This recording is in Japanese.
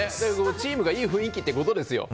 チームがいい雰囲気ってことですよ。